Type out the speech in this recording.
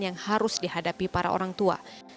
yang harus dihadapi para orang tua